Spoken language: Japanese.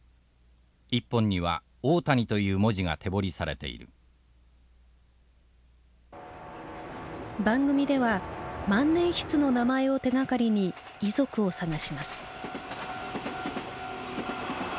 １本には「大谷」という文字が手彫りされている番組では万年筆の名前を手がかりに遺族を探します。